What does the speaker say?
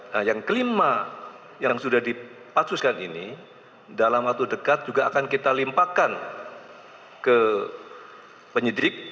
nah yang kelima yang sudah dipacuskan ini dalam waktu dekat juga akan kita limpahkan ke penyidik